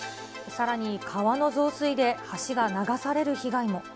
さらに、川の増水で、橋が流される被害も。